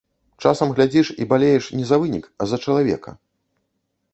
Часам глядзіш, і балееш не за вынік, а за чалавека.